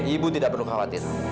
ibu tidak perlu khawatir